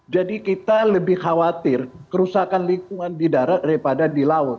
jadi kita lebih khawatir kerusakan lingkungan di darat daripada di laut